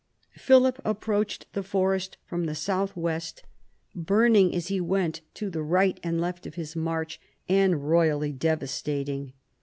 Philip approached this forest from the south west, burning H 98 PHILIP AUGUSTUS chap. as he went to the right and left of his march, and " royally devastating."